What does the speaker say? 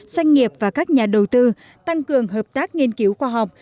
doanh nghiệp và các nhà đầu tư tăng cường hợp tác nghiên cứu khoa học